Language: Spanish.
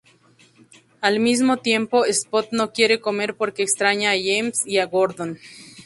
Al mismo tiempo, Spot no quiere comer porque extraña a James y a Gordon.